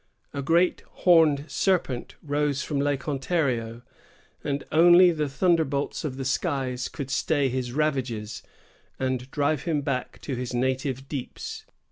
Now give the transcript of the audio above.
A great horned serpent rose from Lake Ontario; and only the thunder bolts of the skies could stay his ravages, and drive him back to his native deeps.